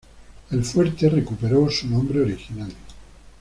El fuerte fue recuperó su nombre original.